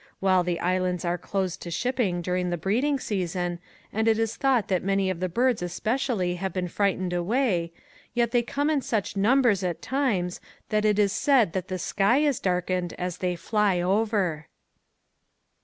While the islands are closed to shipping during the breeding season and it is thought that many of the birds especially have been frightened away, yet they come in such numbers at times that it is said that the sky is darkened as they fly over.